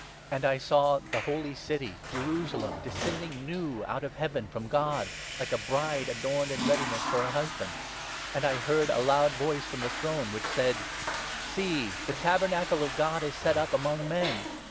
And I saw the Holy City, Jerusalem, 2 REVELATION OF JOHN, 21. 521 descending new out of Heaven from God, like a bride adorned in readiness for her husband. And I heard a loud voice from 3 the throne, which said —' See ! the Tabernacle of God is set up among men.